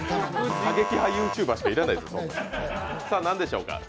過激派ＹｏｕＴｕｂｅｒしかいらないですよ。